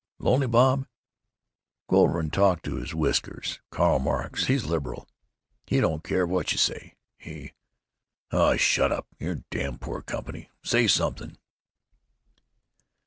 "Lonely, Bob? Go over and talk to his whiskers, Karl Marx. He's liberal. He don't care what you say. He—— Oh, shut up! You're damn poor company. Say something!"